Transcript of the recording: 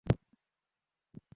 এখনও কয়েক মিনিট বাকি আছে।